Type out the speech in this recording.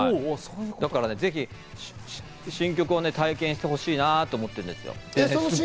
だからぜひ新曲を体験してほしいなと思ってるんですよ。